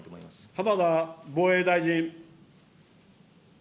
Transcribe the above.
浜田防衛大臣。